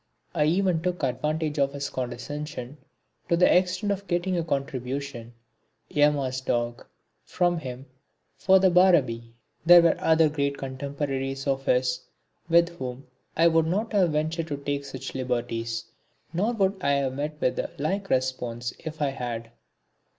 I even took advantage of his condescension to the extent of getting a contribution, Yama's Dog, from him for the Bharabi. There were other great contemporaries of his with whom I would not have ventured to take such liberties, nor would I have met with the like response if I had.